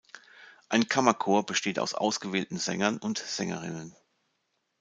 Ein Kammerchor besteht aus ausgewählten Sängern und Sängerinnen.